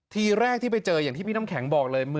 ทีแรกที่ไปเจออย่างที่พี่น้ำแข็งบอกเลย